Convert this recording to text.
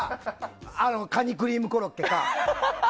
カニクリームコロッケか。